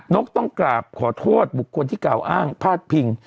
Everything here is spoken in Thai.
กต้องกราบขอโทษบุคคลที่กล่าวอ้างพาดพิง